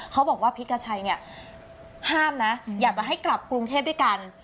เขาบอกว่าพิกชัยเนี่ยห้ามนะอยากจะให้กลับกรุงเทพด้วยกัน